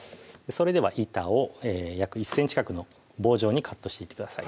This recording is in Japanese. それでは板を約１ｃｍ角の棒状にカットしていってください